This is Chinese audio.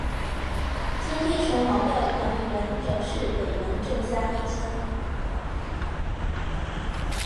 今天城隍庙的管理人仍是北门郑家裔孙。